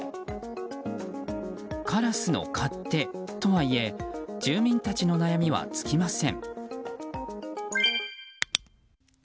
カラスの勝手とはいえ住民たちの悩みは尽きません。